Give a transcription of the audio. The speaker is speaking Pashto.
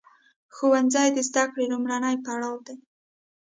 ښوونځی د زده کړې لومړنی پړاو دی.